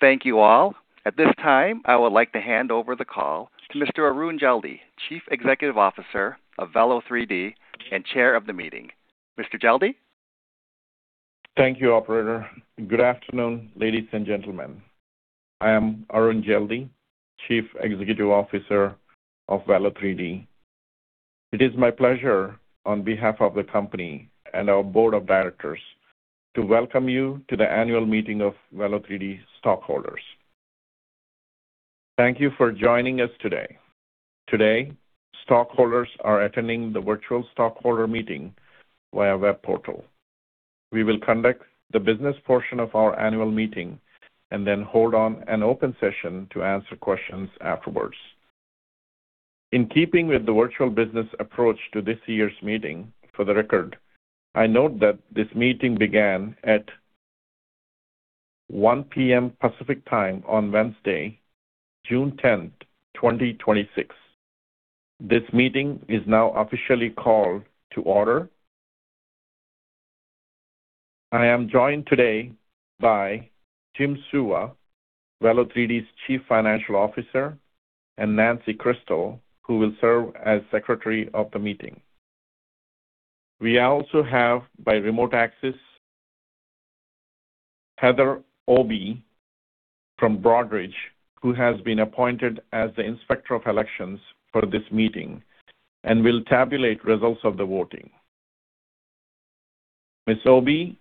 Thank you all. At this time, I would like to hand over the call to Mr. Arun Jeldi, Chief Executive Officer of Velo3D and Chair of the meeting. Mr. Jeldi? Thank you, operator. Good afternoon, ladies and gentlemen. I am Arun Jeldi, Chief Executive Officer of Velo3D. It is my pleasure, on behalf of the company and our board of directors, to welcome you to the annual meeting of Velo3D stockholders. Thank you for joining us today. Today, stockholders are attending the virtual stockholder meeting via web portal. We will conduct the business portion of our annual meeting and then hold an open session to answer questions afterwards. In keeping with the virtual business approach to this year's meeting, for the record, I note that this meeting began at 1:00 P.M. Pacific Time on Wednesday, June 10th, 2026. This meeting is now officially called to order. I am joined today by Jim Suva, Velo3D's Chief Financial Officer, and Nancy Krystal, who will serve as Secretary of the meeting. We also have, by remote access, Heather Obi from Broadridge, who has been appointed as the Inspector of Elections for this meeting and will tabulate results of the voting. Ms. Obi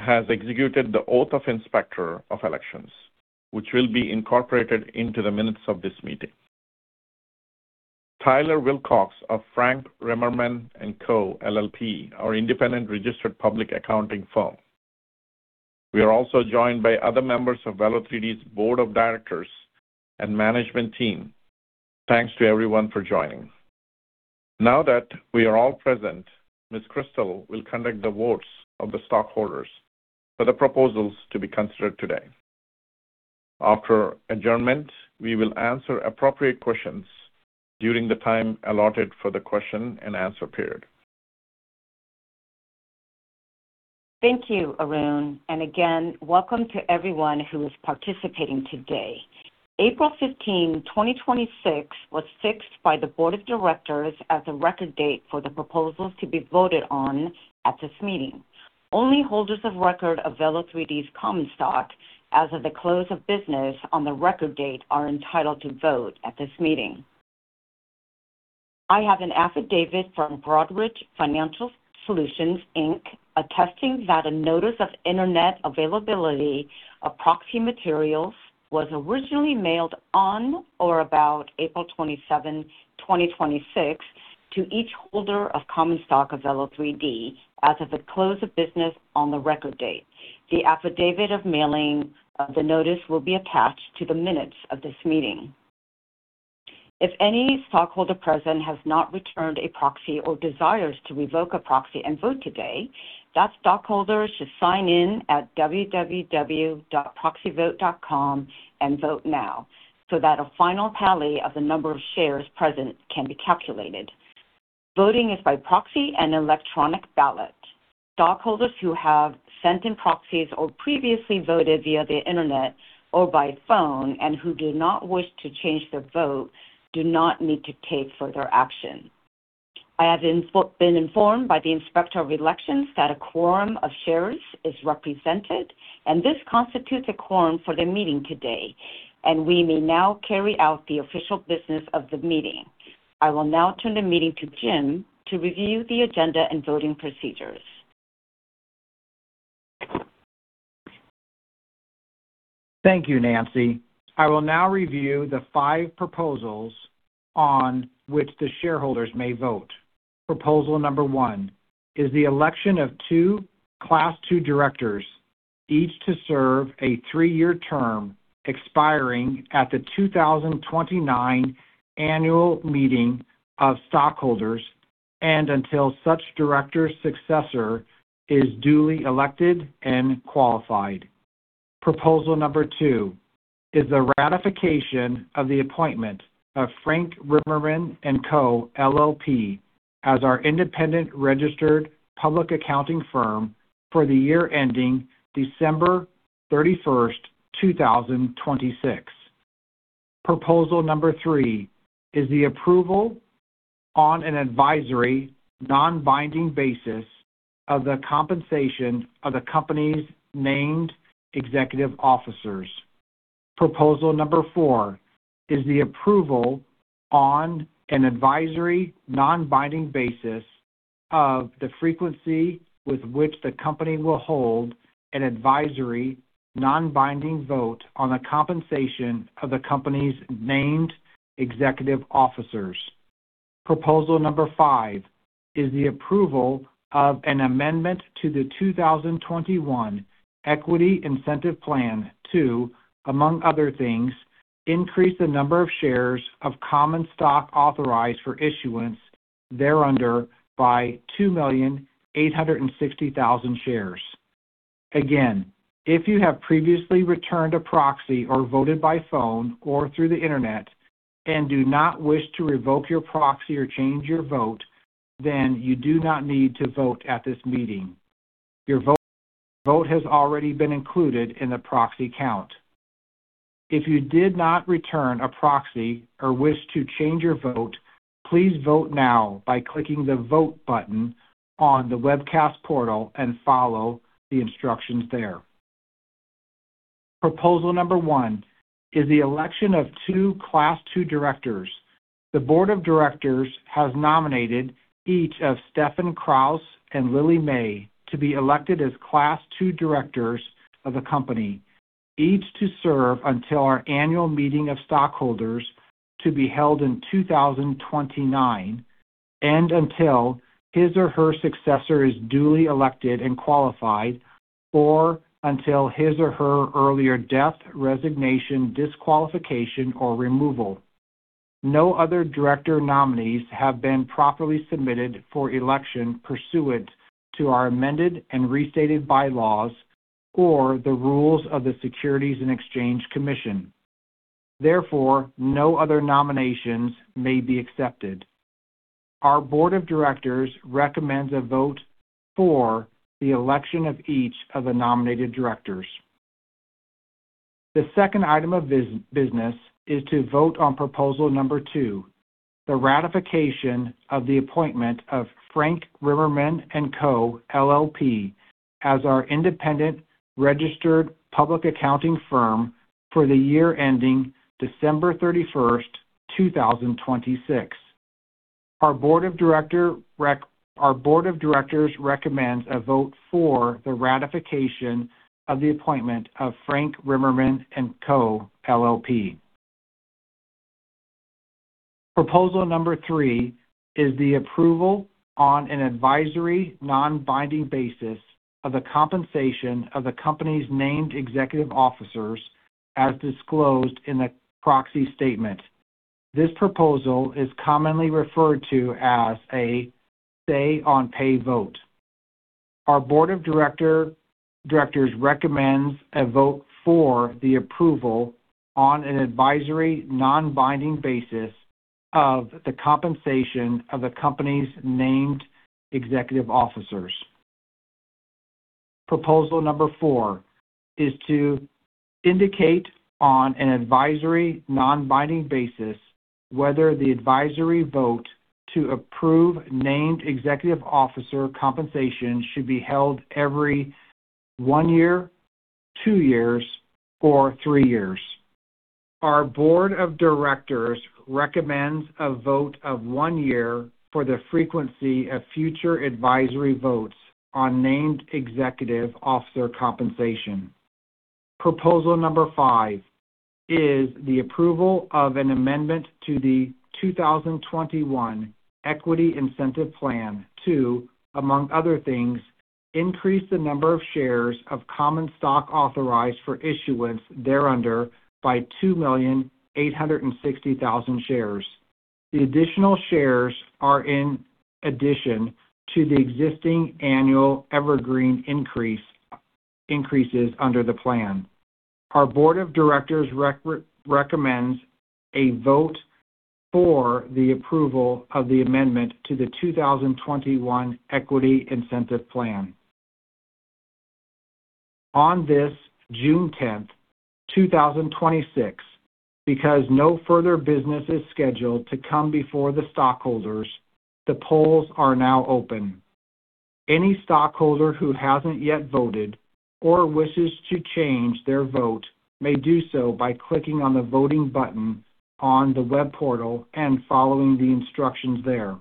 has executed the Oath of Inspector of Elections, which will be incorporated into the minutes of this meeting. Tyrel Wilcox of Frank, Rimerman + Co. LLP, our independent registered public accounting firm. We are also joined by other members of Velo3D's board of directors and management team. Thanks to everyone for joining. Now that we are all present, Ms. Krystal will conduct the votes of the stockholders for the proposals to be considered today. After adjournment, we will answer appropriate questions during the time allotted for the question-and-answer period. Thank you, Arun, and again, welcome to everyone who is participating today. April 15, 2026, was fixed by the board of directors as the record date for the proposals to be voted on at this meeting. Only holders of record of Velo3D's common stock as of the close of business on the record date are entitled to vote at this meeting. I have an affidavit from Broadridge Financial Solutions, Inc., attesting that a notice of internet availability of proxy materials was originally mailed on or about April 27, 2026, to each holder of common stock of Velo3D as of the close of business on the record date. The affidavit of mailing of the notice will be attached to the minutes of this meeting. If any stockholder present has not returned a proxy or desires to revoke a proxy and vote today, that stockholder should sign in at www.proxyvote.com and vote now so that a final tally of the number of shares present can be calculated. Voting is by proxy and electronic ballot. Stockholders who have sent in proxies or previously voted via the internet or by phone and who do not wish to change their vote do not need to take further action. I have been informed by the Inspector of Elections that a quorum of shares is represented, and this constitutes a quorum for the meeting today, and we may now carry out the official business of the meeting. I will now turn the meeting to Jim to review the agenda and voting procedures. Thank you, Nancy. I will now review the five proposals on which the shareholders may vote. Proposal number one is the election of two Class II directors, each to serve a three-year term expiring at the 2029 annual meeting of stockholders and until such director's successor is duly elected and qualified. Proposal number two is the ratification of the appointment of Frank, Rimerman + Co. LLP as our independent registered public accounting firm for the year ending December 31st, 2026. Proposal number three is the approval on an advisory, non-binding basis of the compensation of the company's named executive officers. Proposal number four is the approval on an advisory, non-binding basis of the frequency with which the company will hold an advisory, non-binding vote on the compensation of the company's named executive officers. Proposal number five is the approval of an amendment to the 2021 Equity Incentive Plan to, among other things, increase the number of shares of common stock authorized for issuance thereunder by 2,860,000 shares. Again, if you have previously returned a proxy or voted by phone or through the internet and do not wish to revoke your proxy or change your vote you do not need to vote at this meeting. Your vote has already been included in the proxy count. If you did not return a proxy or wish to change your vote, please vote now by clicking the Vote button on the webcast portal and follow the instructions there. Proposal number one is the election of two Class II directors. The board of directors has nominated each of Stefan Krause and Lily Mei to be elected as Class II directors of the company, each to serve until our annual meeting of stockholders to be held in 2029, and until his or her successor is duly elected and qualified, or until his or her earlier death, resignation, disqualification, or removal. No other director nominees have been properly submitted for election pursuant to our amended and restated bylaws or the rules of the Securities and Exchange Commission. Therefore, no other nominations may be accepted. Our board of directors recommends a vote for the election of each of the nominated directors. The second item of business is to vote on proposal number two, the ratification of the appointment of Frank, Rimerman + Co. LLP as our independent registered public accounting firm for the year ending December 31st, 2026. Our board of directors recommends a vote for the ratification of the appointment of Frank, Rimerman + Co. LLP. Proposal number three is the approval on an advisory, non-binding basis of the compensation of the company's named executive officers as disclosed in the proxy statement. This proposal is commonly referred to as a say on pay vote. Our board of directors recommends a vote for the approval on an advisory, non-binding basis of the compensation of the company's named executive officers. Proposal number four is to indicate on an advisory, non-binding basis whether the advisory vote to approve named executive officer compensation should be held every one year, two years, or three years. Our board of directors recommends a vote of one year for the frequency of future advisory votes on named executive officer compensation. Proposal number five is the approval of an amendment to the 2021 Equity Incentive Plan to, among other things, increase the number of shares of common stock authorized for issuance thereunder by 2,860,000 shares. The additional shares are in addition to the existing annual evergreen increases under the plan. Our board of directors recommends a vote for the approval of the amendment to the 2021 Equity Incentive Plan. On this June 10th, 2026, because no further business is scheduled to come before the stockholders, the polls are now open. Any stockholder who hasn't yet voted or wishes to change their vote may do so by clicking on the voting button on the web portal and following the instructions there.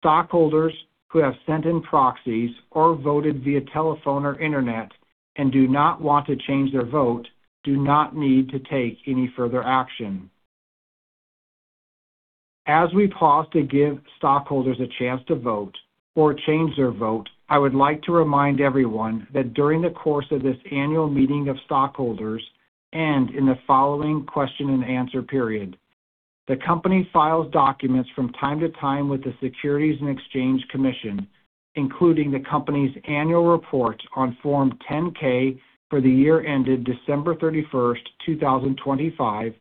Stockholders who have sent in proxies or voted via telephone or internet and do not want to change their vote do not need to take any further action. As we pause to give stockholders a chance to vote or change their vote, I would like to remind everyone that during the course of this annual meeting of stockholders and in the following question and answer period, the company files documents from time to time with the Securities and Exchange Commission, including the company's annual report on Form 10-K for the year ended December 31st, 2025,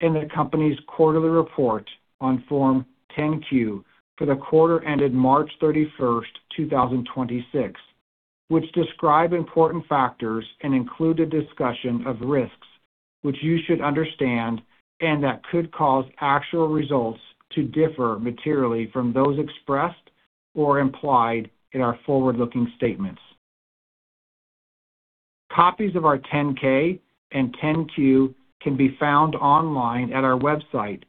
and the company's quarterly report on Form 10-Q for the quarter ended March 31st, 2026, which describe important factors and include a discussion of risks, which you should understand and that could cause actual results to differ materially from those expressed or implied in our forward-looking statements. Copies of our 10-K and 10-Q can be found online at our website,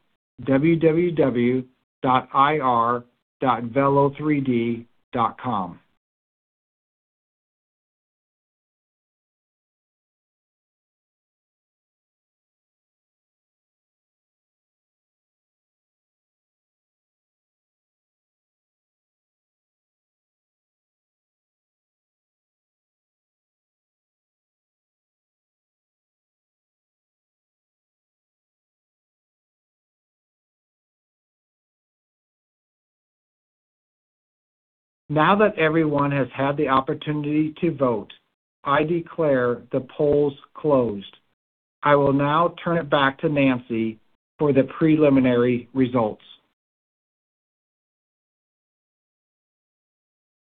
ir.velo3d.com. Now that everyone has had the opportunity to vote, I declare the polls closed. I will now turn it back to Nancy for the preliminary results.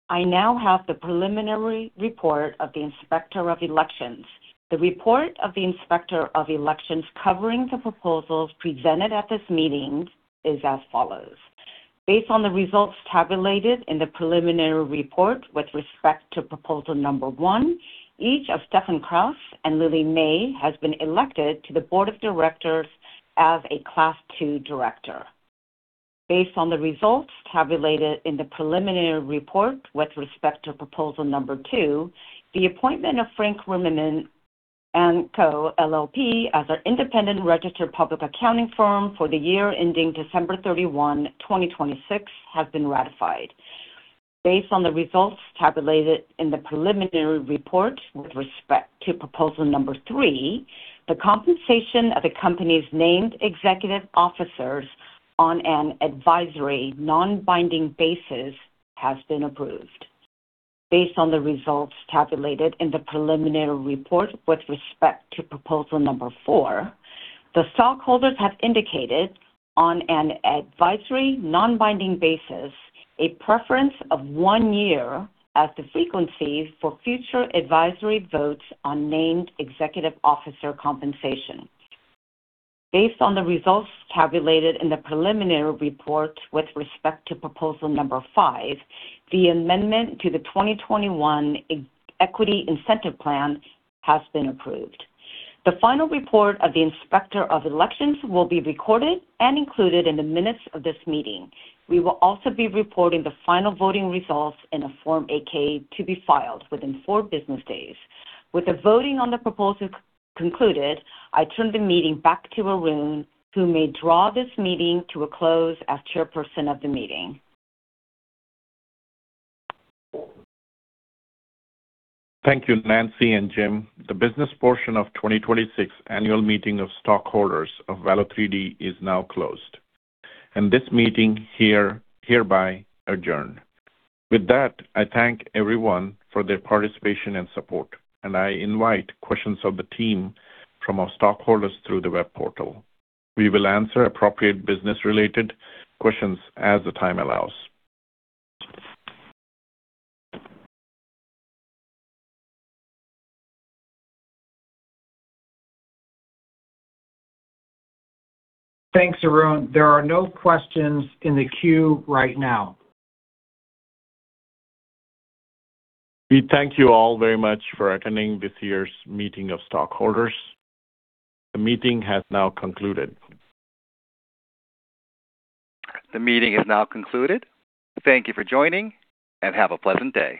I now have the preliminary report of the Inspector of Elections. The report of the Inspector of Elections covering the proposals presented at this meeting is as follows. Based on the results tabulated in the preliminary report with respect to proposal number one, each of Stefan Krause and Lily Mei has been elected to the Board of Directors as a Class II director. Based on the results tabulated in the preliminary report with respect to proposal number two, the appointment of Frank, Rimerman + Co. LLP as an independent registered public accounting firm for the year ending December 31, 2026, has been ratified. Based on the results tabulated in the preliminary report with respect to proposal number three, the compensation of the company's named executive officers on an advisory, non-binding basis has been approved. Based on the results tabulated in the preliminary report with respect to proposal number four, the stockholders have indicated on an advisory, non-binding basis a preference of one year as the frequency for future advisory votes on named executive officer compensation. Based on the results tabulated in the preliminary report with respect to proposal number five, the amendment to the 2021 Equity Incentive Plan has been approved. The final report of the Inspector of Elections will be recorded and included in the minutes of this meeting. We will also be reporting the final voting results in a Form 8-K to be filed within four business days. With the voting on the proposal concluded, I turn the meeting back to Arun, who may draw this meeting to a close as chairperson of the meeting. Thank you, Nancy and Jim. The business portion of 2026 annual meeting of stockholders of Velo3D is now closed. This meeting hereby adjourned. With that, I thank everyone for their participation and support. I invite questions of the team from our stockholders through the web portal. We will answer appropriate business-related questions as the time allows. Thanks, Arun. There are no questions in the queue right now. We thank you all very much for attending this year's meeting of stockholders. The meeting has now concluded. The meeting is now concluded. Thank you for joining and have a pleasant day.